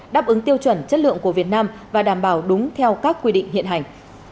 đáp ứng tiêu chuẩn chất lượng của việt nam và đảm bảo đúng theo các quy định hiện hành